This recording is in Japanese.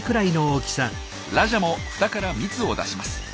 ラジャもフタから蜜を出します。